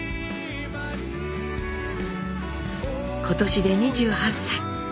今年で２８歳。